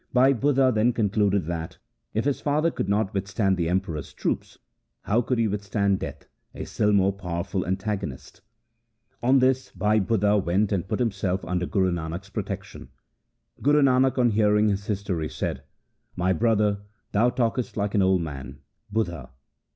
Bhai Budha then concluded that, if his father could not withstand the Emperor's troops, how could he withstand Death, a still more powerful antagonist ? On this Bhai Budha went and put himself under Guru Nanak' s protection. Guru Nanak on hearing his history said, ' My brother, thou talkest like an old man (budha).